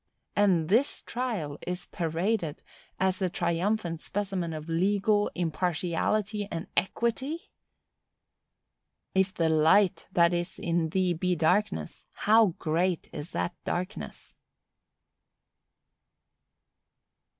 And this trial is paraded as a triumphant specimen of legal impartiality and equity! "If the light that is in thee be darkness, how great is that darkness!"